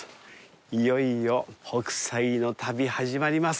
いよいよ、北斎の旅、始まります。